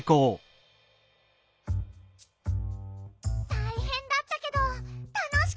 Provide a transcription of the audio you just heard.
たいへんだったけどたのしかったッピ！